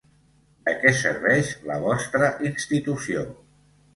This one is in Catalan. De què serveix la vostra institució?